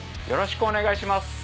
よろしくお願いします。